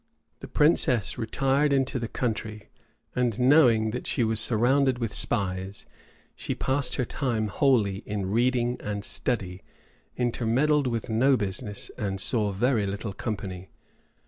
The princess retired into the country, and knowing that she was surrounded with spies, she passed her time wholly in reading and study, intermeddled in no business, and saw very little company.